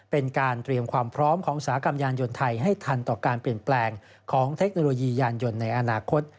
เป็นการเตรียมความพร้อมของอุตสาหกรรมยานยนต์ไทยให้ทันต่อการเปลี่ยนแปลงของเทคโนโลยียานยนต์ในอนาคต